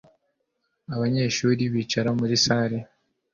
Abanyeshuri bicara muri salle